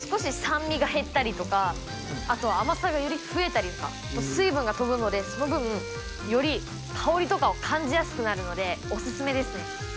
りんごは加熱することで少し酸味が減ったりとか、あとは甘さがより増えたりとか、水分が飛ぶので、その分、より香りとかを感じやすくなるので、お勧めです。